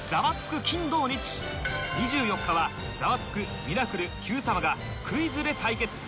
２４日は『ザワつく！』『ミラクル』『Ｑ さま！！』がクイズで対決